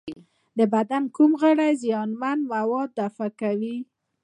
د بدن کوم غړي زیانمن مواد دفع کوي؟